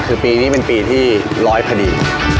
คือปีนี้เป็นปีที่ร้อยพอดี